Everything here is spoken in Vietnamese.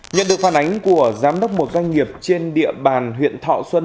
nhận được phản ánh của giám đốc một doanh nghiệp trên địa bàn huyện thọ xuân